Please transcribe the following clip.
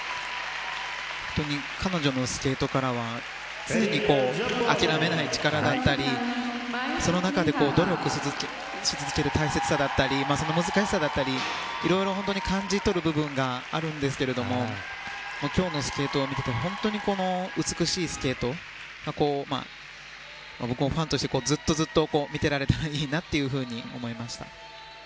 本当に彼女のスケートからは常に諦めない力だったりその中で努力し続ける大切さだったりその難しさだったり色々本当に感じ取る部分があるんですが今日のスケートを見ていて本当に美しいスケート僕もファンとしてずっとずっと見てられたらいいなというふうに思いました。